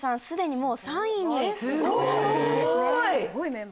すでにもう３位にすごい！